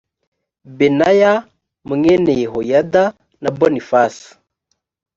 benaya y mwene yehoyada na bonifase